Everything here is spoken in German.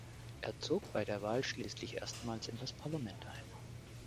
Er zog bei der Wahl schließlich erstmals in das Parlament ein.